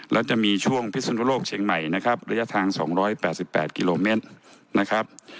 แล้วจะมีช่วงพิสุนโลกเชียงใหม่นะครับระยะทาง๒๘๘กิโลเมตรนะครับ